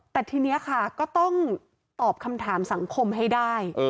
แต่ทีนี้ค่ะก็ต้องตอบคำถามสังคมให้ได้